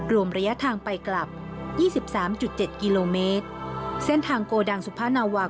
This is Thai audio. รวมระยะทางไปกลับยี่สิบสามจุดเจ็ดกิโลเมตรเส้นทางโกดังสุภานาวา